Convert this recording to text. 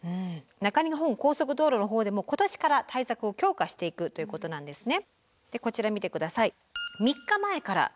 中日本高速道路の方でも今年から対策を強化していくということなんですね。